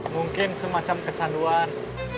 mungkin semacam kecanduan